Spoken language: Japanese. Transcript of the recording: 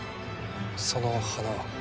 「その花は？」